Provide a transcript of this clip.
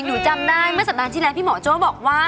หนูจำได้เมื่อสัปดาห์ที่แล้วพี่หมอโจ้บอกว่า